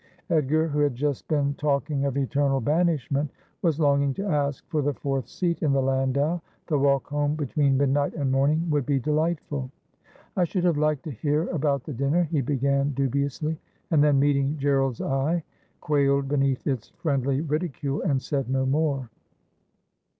Edgar, who had just been talking of eternal banishment, was longing to ask for the fourth seat in the landau. The walk home between midnight and morning would be delightful. ' I should have liked to hear about the dinner,' he began dubiously ; and then meeting Gerald's eye, quailed beneath its friendly ridicule, and said no more.